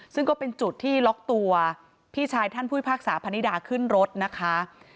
ซึ่งก็เป็นจุดที่ล็อกตัวพี่ชายท่านผู้พิพากษาพนิดาขึ้นรถนะคะ